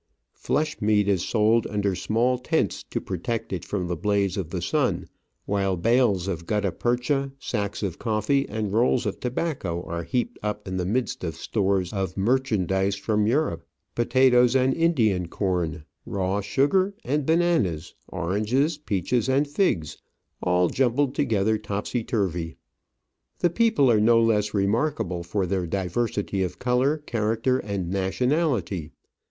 Flesh meat is sold under small tents to protect it from the blaze of the sun, while bales of gutta Digitized by VjOOQIC io8 Travels and Adventures percha, sacks of coffee, and rolls of tobacco are heaped up in the midst of stores of merchandise from Europe, potatoes and Indian corn, raw sugar and bananas, oranges, peaches, and figs, all jumbled together topsy turvy. The people are no less remarkable for their diversity of colour, character, and nationality.